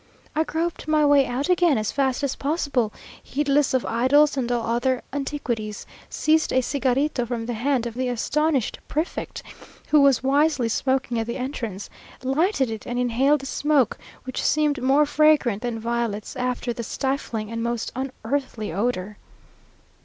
I groped my way out again as fast as possible, heedless of idols and all other antiquities, seized a cigarito from the hand of the astonished prefect, who was wisely smoking at the entrance, lighted it, and inhaled the smoke, which seemed more fragrant than violets, after that stifling and most unearthly odour.